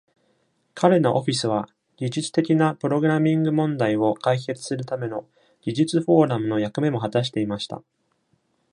彼のオフィスは技術的なプログラミング問題を解決するための技術フォーラムの役目も果たしていました。